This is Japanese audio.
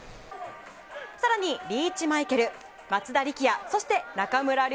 さらにリーチ・マイケル、松田力也、そして中村亮